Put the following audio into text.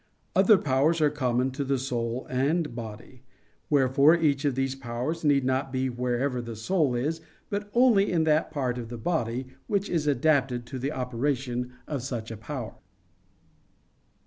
Other powers are common to the soul and body; wherefore each of these powers need not be wherever the soul is, but only in that part of the body, which is adapted to the operation of such a power.